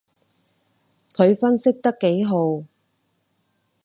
佢分析得幾號